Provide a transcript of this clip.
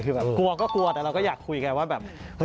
กลัวก็กลัวแต่เราก็อยากคุยแค่ว่าเฮ้ย